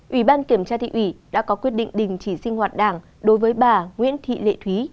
ủy ban kiểm tra thị ủy đã có quyết định đình chỉ sinh hoạt đảng đối với bà nguyễn thị lệ thúy